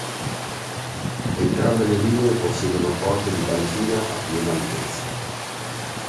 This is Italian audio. Entrambe le linee possiedono porte di banchina a piena altezza.